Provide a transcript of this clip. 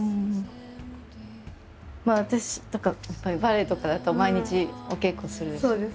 私とかやっぱりバレエとかだと毎日お稽古するでしょ。